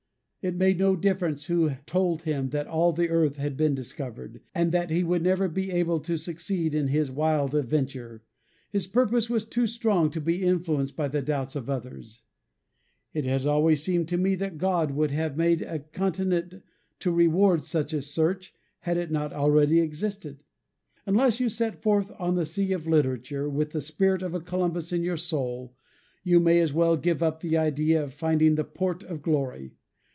It made no difference who told him that all the earth had been discovered, and that he would never be able to succeed in his wild venture. His purpose was too strong to be influenced by the doubts of others. It has always seemed to me that God would have made a continent to reward such a search, had it not already existed. Unless you set forth on the sea of literature, with the spirit of a Columbus in your soul, you may as well give up the idea of finding the Port of Glory.